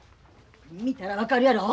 見たら分かるやろ。